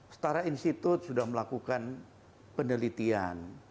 setara institut sudah melakukan penelitian